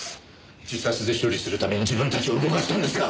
自殺で処理するために自分たちを動かしたんですか！